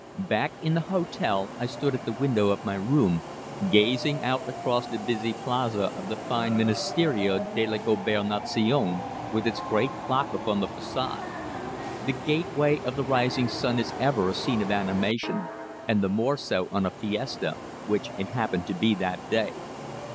Back in the hotel I stood at the window of my room, gazing out across the busy plaza upon the fine Ministerio de la Gobernacion, with its great clock upon the façade. The Gateway of the Rising Sun is ever a scene of animation, and the more so on a "fiesta," which it happened to be that day.